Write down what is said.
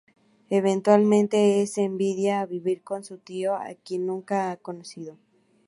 Eventualmente es enviada a vivir con su tío, a quien nunca ha conocido.